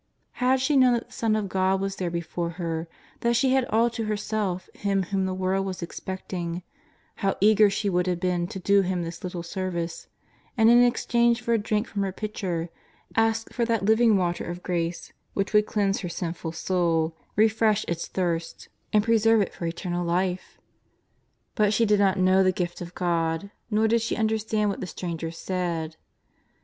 Had she known that the Son of God was there before her, that she had all to herself Him whom the world was expect ing, how eager she would have boon to do Him this little service, and in exchange for a drink from her pitcher ask for that living water of grace which would cleanse her sinful soul, refresh its thirst, and preserve it for JESUS OF NAZAKETH. 159 eternal Life ! But she did not know the Gift of God, nor did she understand what the Stranger said.